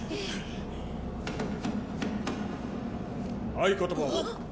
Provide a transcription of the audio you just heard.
合言葉は？